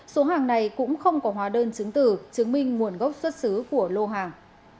số hàng này cũng không có hóa đơn chứng tử chứng minh nguồn gốc xuất xứ của lô hàng